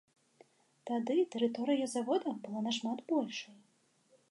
Тады тэрыторыя завода была нашмат большай.